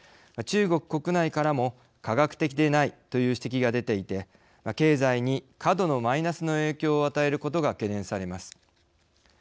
中国国内からも科学的でないという指摘が出ていて経済に過度のマイナスの影響を与えることが懸念されます。